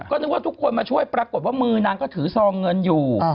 ก็นึกว่าทุกคนมาช่วยปรากฏว่ามือนางก็ถือซองเงินอยู่